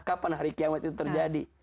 kapan hari kiamat itu terjadi